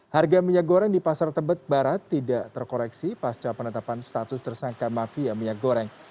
harga minyak goreng di pasar tebet barat tidak terkoreksi pasca penetapan status tersangka mafia minyak goreng